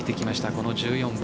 この１４番。